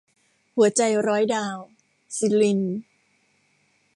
หัวใจร้อยดาว - สิริณ